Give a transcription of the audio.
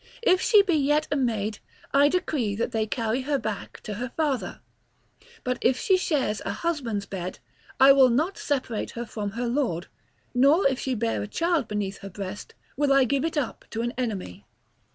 If she be yet a maid I decree that they carry her back to her father; but if she shares a husband's bed, I will not separate her from her lord; nor, if she bear a child beneath her breast, will I give it up to an enemy."